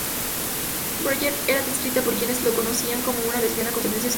Boyer era descrita por quienes la conocían como una lesbiana con tendencias bisexuales.